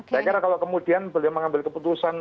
saya kira kalau kemudian beliau mengambil keputusan